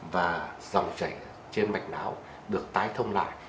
và dòng chảy trên mạch não được tái thông lại